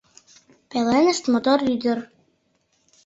Пеленышт — мотор ӱдыр.